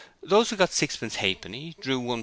Those who got sixpence halfpenny drew £1.1.8.